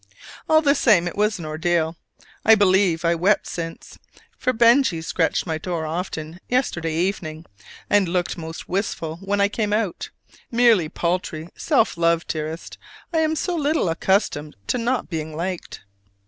All the same it was an ordeal. I believe I have wept since: for Benjy scratched my door often yesterday evening, and looked most wistful when I came out. Merely paltry self love, dearest: I am so little accustomed to not being liked.